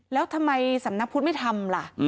แล้วทำไมสำนักพุทธไม่ทำล่ะ